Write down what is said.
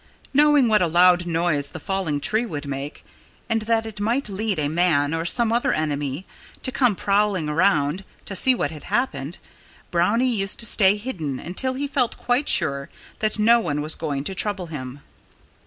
Knowing what a loud noise the falling tree would make, and that it might lead a man (or some other enemy) to come prowling around, to see what had happened, Brownie used to stay hidden until he felt quite sure that no one was going to trouble him.